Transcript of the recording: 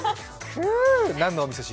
何のおみそ汁？